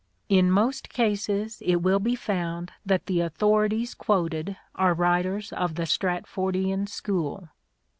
In most cases it will be found that the authorities quoted are writers of the Stratfordian school.